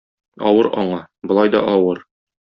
Авыр аңа, болай да авыр.